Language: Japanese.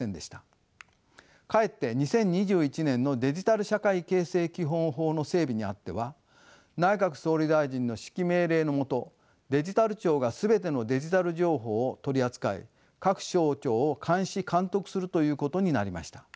かえって２０２１年のデジタル社会形成基本法の整備にあっては内閣総理大臣の指揮命令の下デジタル庁が全てのデジタル情報を取り扱い各省庁を監視監督するということになりました。